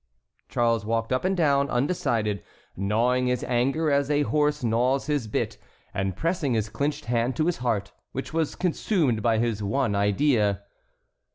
Charles walked up and down, undecided, gnawing his anger, as a horse gnaws his bit, and pressing his clinched hand to his heart, which was consumed by his one idea.